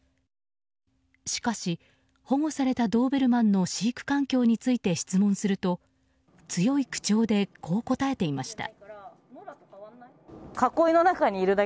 しかし、保護されたドーベルマンの飼育環境について質問すると、強い口調でこう答えていました。